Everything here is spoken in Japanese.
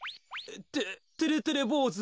っててれてれぼうず？